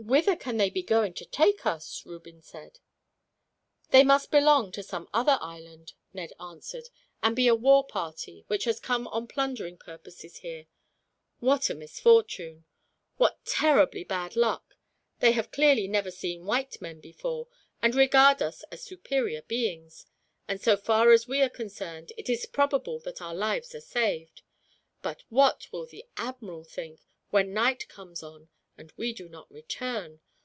"Whither can they be going to take us?" Reuben said. "They must belong to some other island," Ned answered, "and be a war party, which has come on plundering purposes here. What a misfortune! What terribly bad luck! They have clearly never seen white men before, and regard us as superior beings; and so far as we are concerned, it is probable that our lives are safe. But what will the admiral think, when night comes on and we do not return?